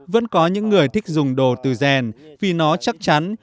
vẫn có những người thích dùng đồ từ rèn vì nó chắc chắn